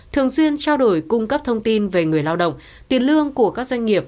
thường xuyên trao đổi cung cấp thông tin về người lao động tiền lương của các doanh nghiệp